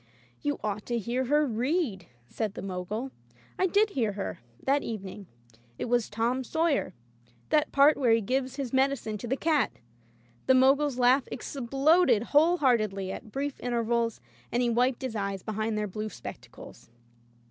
"You ought to hear her read,'* said the Mogul. I did hear her, that evening. It was "Tom Sawyer," that part where he gives his medi cine to the cat. The Mogul's laugh exploded whole heartedly, at brief intervals, and he wiped his eyes behind their blue spectacles.